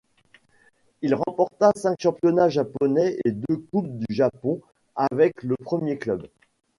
Il remporta cinq championnats japonais et deux coupes du Japon avec le premier club.